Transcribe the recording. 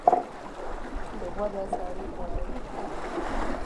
• غوره سړی په ویلو کې سپما کوي.